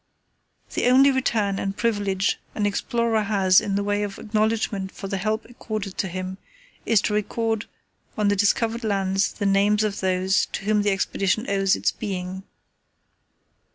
The only return and privilege an explorer has in the way of acknowledgment for the help accorded him is to record on the discovered lands the names of those to whom the Expedition owes its being.